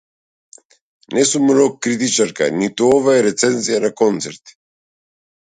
Не сум рок критичарка, ниту ова е рецензија на концерт.